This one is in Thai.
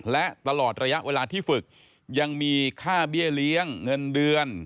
และตลอดระยะเวลาที่ฝึกยังมีค่าเบี้ยเลี้ยงเงินเดือน